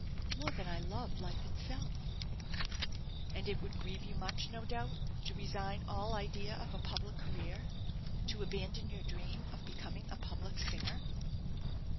"More than I love life itself." "And it would grieve you much, no doubt, to resign all idea of a public career to abandon your dream of becoming a public singer?"